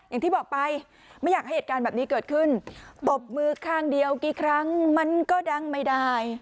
อย่างที่บอกไปไม่อยากให้เหตุการณ์แบบนี้เกิดขึ้นตบมือข้างเดียวกี่ครั้งมันก็ดังไม่ได้